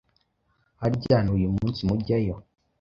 Harya ni uyu munsi mujyayo?